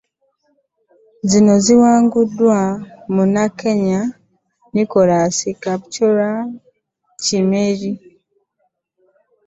Zino ziwanguddwa Munnakenya Nicholas Kipkorir Kimeli